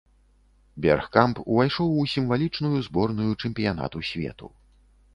Бергкамп увайшоў у сімвалічную зборную чэмпіянату свету.